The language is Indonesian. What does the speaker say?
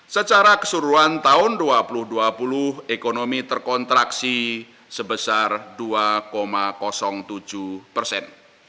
secara keseluruhan tahun dua ribu dua puluh ekonomi terkontraksi sebesar dua tujuh persen